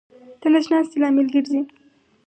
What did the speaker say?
د نس ناستې لامل ګرځي.